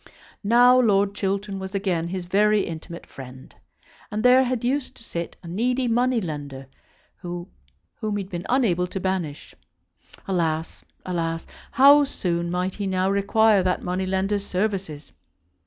Now Lord Chiltern was again his very intimate friend. And there had used to sit a needy money lender whom he had been unable to banish. Alas! alas! how soon might he now require that money lender's services!